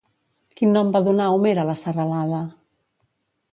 Quin nom va donar Homer a la serralada?